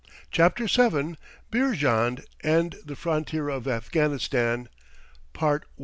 CHAPTER VII. BEERJAND AND THE FRONTIER OF AFGHANISTAN.